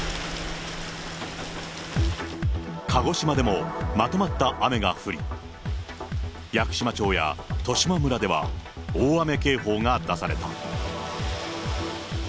鹿児島でもまとまった雨が降り、屋久島町や十島村では、大雨警報が出された。